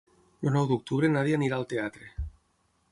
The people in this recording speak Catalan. El nou d'octubre na Nàdia anirà al teatre.